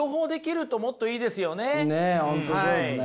本当そうですね。